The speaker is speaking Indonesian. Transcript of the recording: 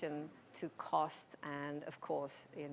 untuk harga dan